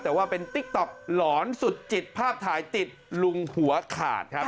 แต่ว่าเป็นติ๊กต๊อกหลอนสุดจิตภาพถ่ายติดลุงหัวขาดครับ